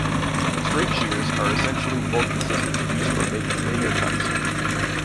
Straight shears are essentially bulky scissors, used for making linear cuts.